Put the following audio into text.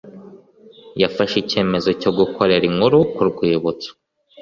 yafashe icyemezo cyo gukorera inkuru ku rwibutso.